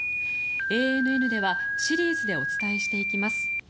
ＡＮＮではシリーズでお伝えしていきます。